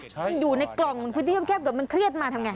มันอยู่ในกล่องพื้นที่แคบเกิดมันเครียดมาทำไง